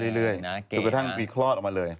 หรือถ้างมีเคราะห์ออกมาเลย